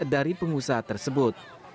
dari pengusaha tersebut